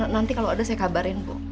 nanti kalau ada saya kabarin bu